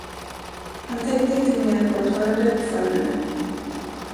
Han tänkte inte mer på att vara rädd för henne.